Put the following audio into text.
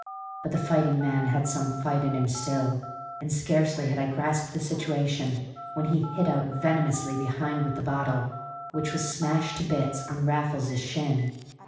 But the fighting man had some fight in him still; and scarcely had I grasped the situation when he hit out venomously behind with the bottle, which was smashed to bits on Raffles's shin.